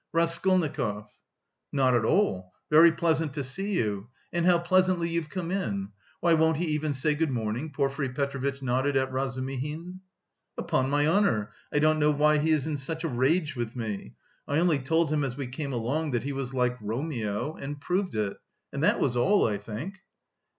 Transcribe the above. "Raskolnikov." "Not at all, very pleasant to see you... and how pleasantly you've come in.... Why, won't he even say good morning?" Porfiry Petrovitch nodded at Razumihin. "Upon my honour I don't know why he is in such a rage with me. I only told him as we came along that he was like Romeo... and proved it. And that was all, I think!"